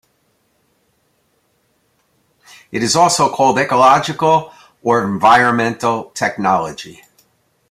It is also called ecological or environmental technology.